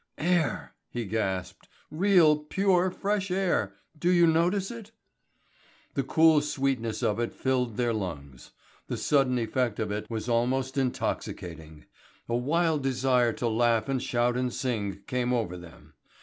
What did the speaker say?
"Air," he gasped, "real pure fresh air! Do you notice it?" The cool sweetness of it filled their lungs. The sudden effect was almost intoxicating. A wild desire to laugh and shout and sing came over them.